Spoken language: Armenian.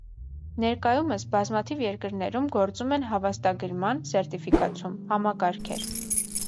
Ներկայումս բազմաթիվ երկրներում գործում են հավաստագրման (սերտիֆիկացում) համակարգեր։